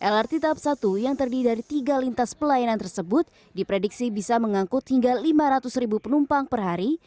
lrt tahap satu yang terdiri dari tiga lintas pelayanan tersebut diprediksi bisa mengangkut hingga lima ratus ribu penumpang per hari